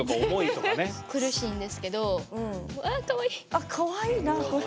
あっかわいいなこれ。